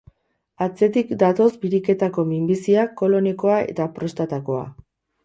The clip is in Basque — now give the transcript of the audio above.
Atzetik datoz biriketako minbizia, kolonekoa eta prostatakoa.